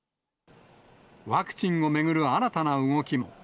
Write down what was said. ワクチンを巡る新たな動きも。